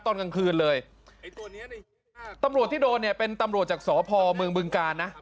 ตอนกลางคืนเลยตำรวจที่โดนเนี่ยเป็นตำรวจจากสพเมืองบึงกาลนะ